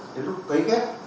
đến lúc cấy kết